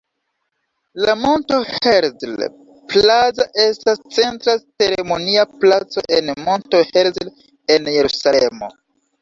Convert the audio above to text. La Monto Herzl Plaza estas centra ceremonia placo en Monto Herzl en Jerusalemo.